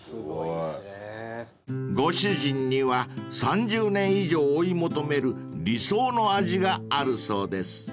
［ご主人には３０年以上追い求める理想の味があるそうです］